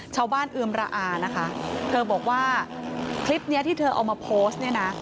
เอือมระอานะคะเธอบอกว่าคลิปนี้ที่เธอเอามาโพสต์เนี่ยนะ